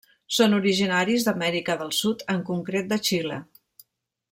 Són originaris d'Amèrica del Sud, en concret de Xile.